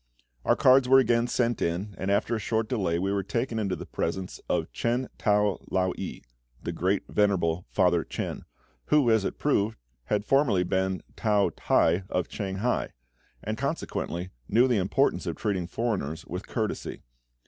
Our cards were again sent in, and after a short delay we were taken into the presence of Ch'en Ta Lao ie (the Great Venerable Father Ch'en), who, as it proved, had formerly been Tao tai of Shanghai, and consequently knew the importance of treating foreigners with courtesy.